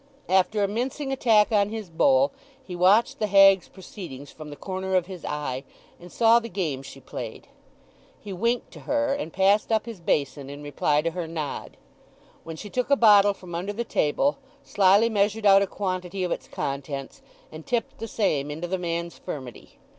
After a mincing attack on his bowl, he watched the hag's proceedings from the corner of his eye, and saw the game she played. He winked to her, and passed up his basin in reply to her nod; when she took a bottle from under the table, slily measured out a quantity of its contents, and tipped the same into the man's furmity.